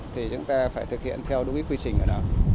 thì chúng ta phải thực hiện theo đúng quy trình của nó